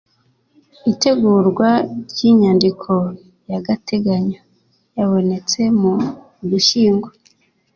itegurwa ry'inyandiko y'agateganyo yabonetse mu ugushyingo